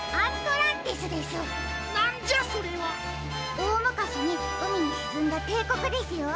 おおむかしにうみにしずんだていこくですよ。